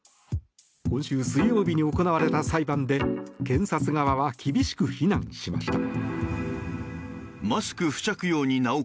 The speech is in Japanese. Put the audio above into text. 今週水曜日に行われた裁判で検察側は厳しく非難しました。